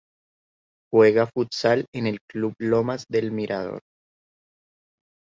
Juega futsal en el Club Lomas del Mirador